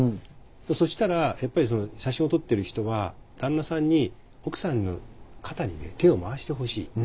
そしたらやっぱり写真を撮ってる人は旦那さんに奥さんの肩に手を回してほしいって。